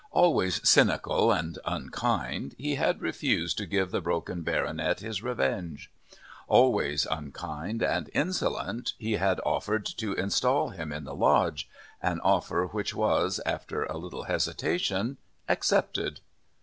Always cynical and unkind, he had refused to give the broken baronet his "revenge." Always unkind and insolent, he had offered to instal him in the lodge an offer which was, after a little hesitation, accepted.